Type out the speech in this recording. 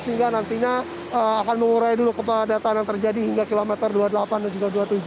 sehingga nantinya akan mengurai dulu kepadatan yang terjadi hingga kilometer dua puluh delapan dan juga dua puluh tujuh